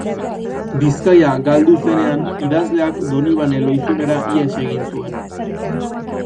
Bizkaia galdu zenean, idazleak Donibane Lohizunera ihes egin zuen.